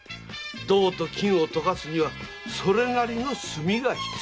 銅と金を溶かすにはそれなりの炭が必要じゃ。